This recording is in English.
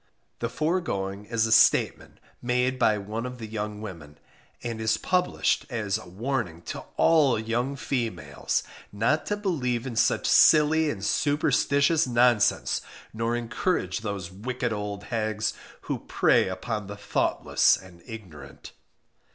The foregoing is a statement made by one of the young women, and is published as a warning to ALL young females not to believe in such silly and superstitious nonsense, nor encourage those wicked old hags who prey upon the thoughtless and ignorant.